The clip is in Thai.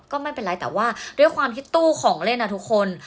ก็ไม่เป็นไรแต่ว่าด้วยความที่ตู้ของเล่นทุกคน